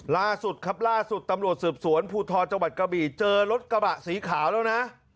ล่าสุดครับล่าสุดตำรวจสืบสวนภูทรจังหวัดกระบี่เจอรถกระบะสีขาวแล้วนะ